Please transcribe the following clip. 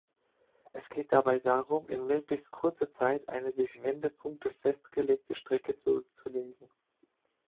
Es geht dabei darum in möglichst kurzer Zeit eine durch Wendepunkte Festgelegte Strecke zurückzulegen.